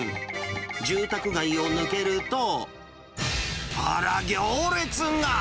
住宅街を抜けると、あら、行列が。